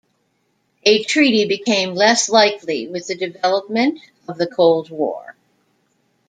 A treaty became less likely with the development of the Cold War.